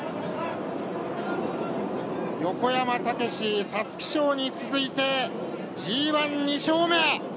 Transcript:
横山武史、皐月賞に続いてＧＩ、２勝目！